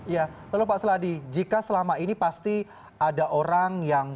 ya lalu pak seladi jika selama ini pasti ada orang yang